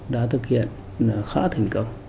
đã thực hiện khá thành công